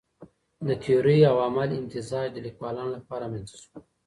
د تيوري او عمل امتزاج د ليکوالانو لخوا رامنځته سو.